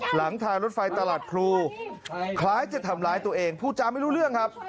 หลังทางรถไฟตลาดพลูคล้ายจะทำร้ายตัวเองพูดจาไม่รู้เรื่องครับ